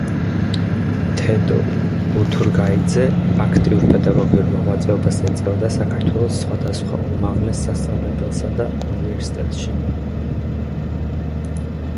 თედო უთურგაიძე აქტიურ პედაგოგიურ მოღვაწეობას ეწეოდა საქართველოს სხვადასხვა უმაღლეს სასწავლებლებსა და უნივერსიტეტებში.